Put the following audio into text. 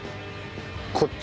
こっち？